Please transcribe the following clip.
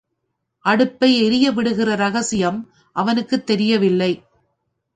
அடுப்பை எரியவிடுகிற ரகசியம் அவனுக்குத் தெரியவில்லை.